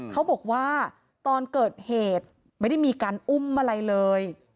เขาบอกว่าตอนเกิดเหตุไม่ได้มีการอุ้มอะไรเลย